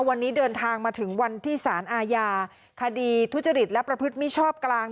วันนี้เดินทางมาถึงวันที่สารอาญาคดีทุจริตและประพฤติมิชอบกลาง